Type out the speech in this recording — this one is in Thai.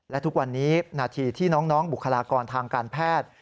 และทุกวันนี้นาทีที่น้องบุคลากรทางการแพทย์